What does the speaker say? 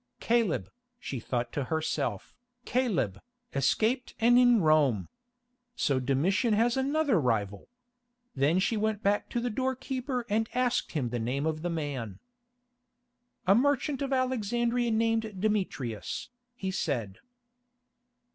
"Caleb," she thought to herself, "Caleb, escaped and in Rome! So Domitian has another rival." Then she went back to the door keeper and asked him the name of the man. "A merchant of Alexandria named Demetrius," he said.